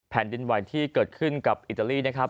แผ่นดินไหวที่เกิดขึ้นกับอิตาลีนะครับ